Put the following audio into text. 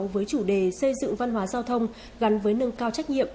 với chủ đề xây dựng văn hóa giao thông gắn với nâng cao trách nhiệm